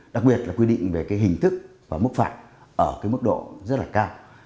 đặc biệt là quy định về cái hình thức và mức phạt ở cái mức độ rất là cao